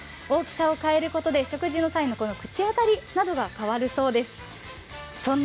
大きさを変えることで食事の際の口当たりなどが変わるそうです。